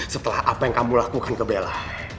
setelah apa yang kamu lakukan ke bella